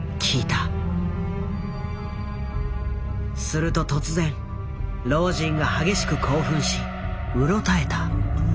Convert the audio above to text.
すると突然老人が激しく興奮しうろたえた。